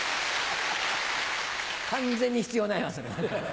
完全に必要ないなそれ。